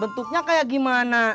bentuknya kayak gimana